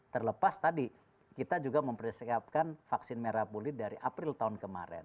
terlepas tadi kita juga mempersiapkan vaksin merah putih dari april tahun kemarin